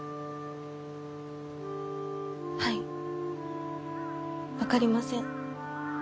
はい分かりません。